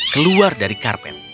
keluar dari karpet